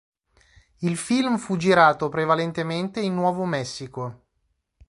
Il film fu girato prevalentemente in Nuovo Messico.